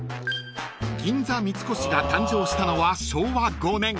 ［銀座三越が誕生したのは昭和５年］